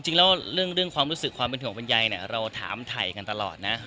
เอ่อจริงแล้วเรื่องเรื่องความรู้สึกความห่วงใบใยเนี่ยเราถามไถ่กันตลอดนะ